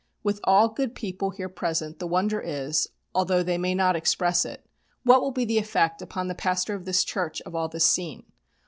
With all good people here present the wonder is, although they may not express it, 'What will be the effect upon the pastor of this church; of all this scene?'